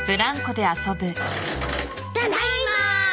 ただいま。